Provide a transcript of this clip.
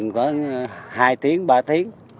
khoảng hai ba tiếng